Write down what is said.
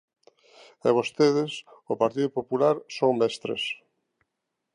E vostedes, o Partido Popular, son mestres.